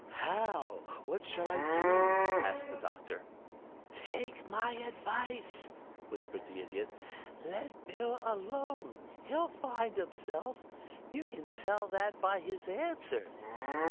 "How? What shall I do?" asked the Doctor. "Take my advice," whispered the Idiot. "Let Bill alone. He'll find himself. You can tell that by his answer."